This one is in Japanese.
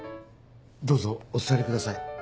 どうぞお座りください。